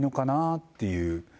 っていう。